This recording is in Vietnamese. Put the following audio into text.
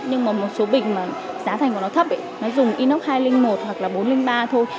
nhưng mà một số bình mà giá thành của nó thấp nó dùng inox hai trăm linh một hoặc là bốn trăm linh ba thôi